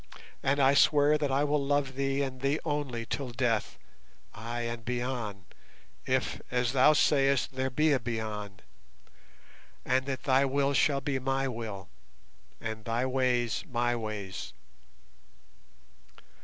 And I swear that I will love thee and thee only till death, ay, and beyond, if as thou sayest there be a beyond, and that thy will shall be my will, and thy ways my ways.